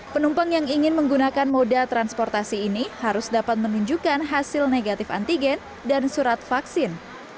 penumpang yang ingin menggunakan moda transportasi ini harus dapat menunjukkan hasil negatif antigen dan surat vaksin